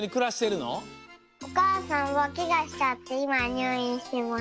おかあさんはケガしちゃっていまはにゅういんしてます。